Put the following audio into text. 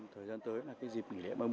thời gian tới là dịp nghỉ lễ